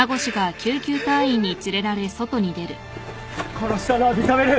殺したのは認める。